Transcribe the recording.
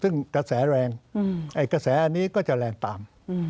ซึ่งกระแสแรงกระแสอันนี้ก็จะแรงตาม